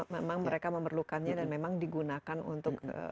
memang mereka memerlukannya dan memang digunakan untuk